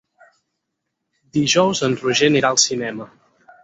Dijous en Roger anirà al cinema.